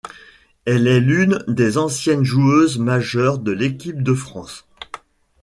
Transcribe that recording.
Elle est l’une des anciennes joueuses majeures de l’équipe de France.